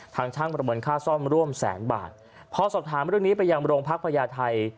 ทางช่างประเมินค่าซ่อมร่วมแสนบาทพอสอบถามเรื่องนี้ไปยังโรงพักพญาไทย